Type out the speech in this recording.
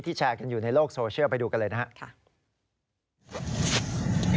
แชร์กันอยู่ในโลกโซเชียลไปดูกันเลยนะครับ